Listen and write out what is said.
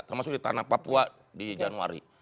termasuk di tanah papua di januari